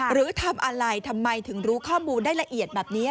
หรือทำอะไรทำไมถึงรู้ข้อมูลได้ละเอียดแบบนี้